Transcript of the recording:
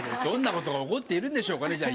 どんなことが起こっているんでしょうかね。